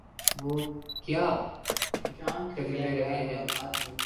وہ کیا ٹکر لے رہے ہیں؟